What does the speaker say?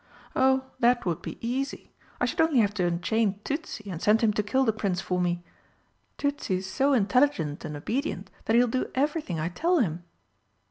"Oh, that would be easy. I should only have to unchain Tützi, and send him to kill the Prince for me. Tützi's so intelligent and obedient that he'll do everything I tell him."